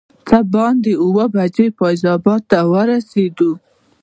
څه باندې اووه بجې فیض اباد ته ورسېدو.